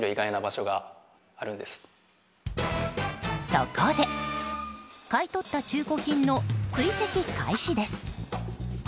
そこで、買い取った中古品の追跡開始です。